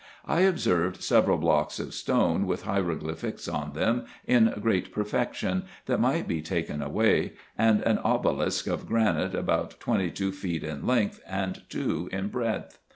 I observed several blocks of stones, with hieroglyphics on them in great perfec tion, that might be taken away, and an obelisk of granite about twenty two feet in length, and two in breadth.